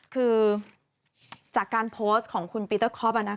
คือจากการโพสต์ของคุณปีเตอร์คอป